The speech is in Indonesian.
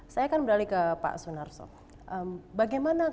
sumber daya manusia